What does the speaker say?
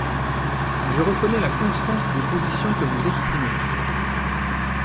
Je reconnais la constance des positions que vous exprimez.